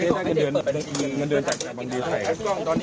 แล้วนิวจะรู้จักเจ๊กล่องไหมครับ